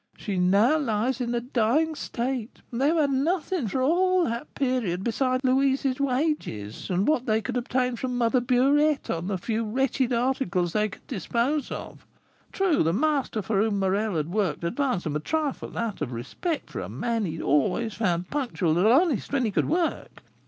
She now lies in a dying state; they have had nothing for all that period besides Louise's wages and what they could obtain from Mother Burette upon the few wretched articles they could dispose of. True, the master for whom Morel had worked advanced them a trifle, out of respect for a man he had always found punctual and honest when he could work.